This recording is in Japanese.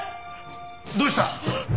どうした？